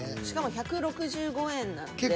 しかも１６５円なんで。